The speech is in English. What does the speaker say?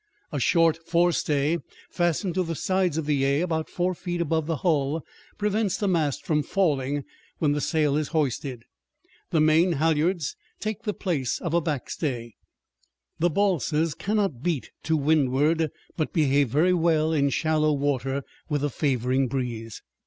A short forestay fastened to the sides of the "A" about four feet above the hull prevents the mast from falling when the sail is hoisted. The main halyards take the place of a backstay. The balsas cannot beat to windward, but behave very well in shallow water with a favoring breeze.